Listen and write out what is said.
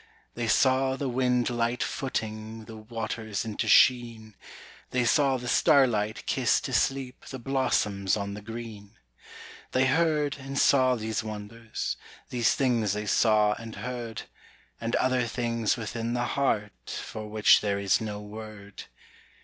They saw the wind light footing The waters into sheen; They saw the starlight kiss to sleep The blossoms on the green. They heard and saw these wonders; These things they saw and heard; And other things within the heart For which there is no word.